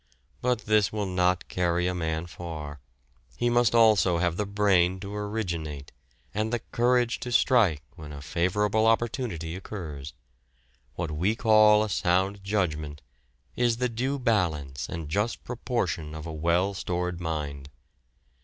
But this will not carry a man far, he must also have the brain to originate, and the courage to strike when a favourable opportunity occurs. What we call a sound judgment is the due balance and just proportion of a well stored mind.